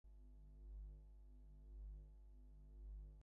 জয়িতাদের দেখে অন্য নারীরা অনুপ্রাণিত হলে ঘরে ঘরে জয়িতা সৃষ্টি হবে।